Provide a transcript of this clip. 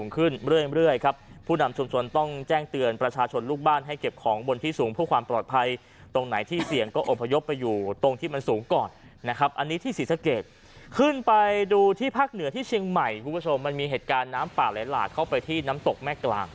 ขึ้นไปดูที่ภาคเหนือที่เชียงใหม่มันมีเหตุการณ์น้ำป่าหลายหลากเข้าไปที่น้ำตกแม่กลาง